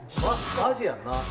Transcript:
マジやんな。